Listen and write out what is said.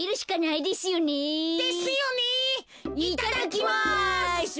いただきます。